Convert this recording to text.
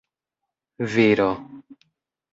viro